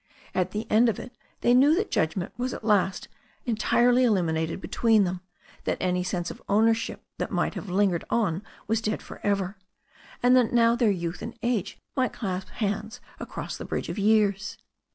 At the end of it they knew that judgment was at last entirely eliminated between them, that any sense of owner ship that might have lingered on was dead for ever, and that now their youth and age might clasp hands across the bridge of years.